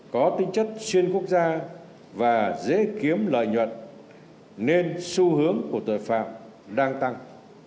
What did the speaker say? có tính chất xuyên quốc gia và dễ kiếm lợi nhuận nên xu hướng của tội phạm đang tăng